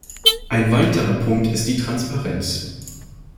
Ein weiterer Punkt ist die Transparenz.